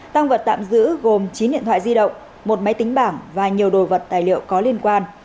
tăng vật tạm giữ gồm chín điện thoại di động một máy tính bảng và nhiều đồ vật tài liệu có liên quan